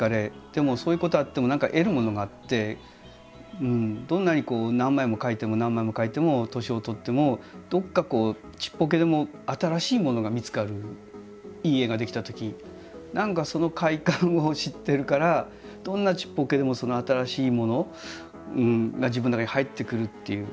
でもそういうことあっても何か得るものがあってどんなにこう何枚も描いても何枚も描いても年を取ってもどっかちっぽけでも新しいものが見つかるいい絵が出来たとき何かその快感を知ってるからどんなちっぽけでもその新しいものが自分の中に入ってくるっていう。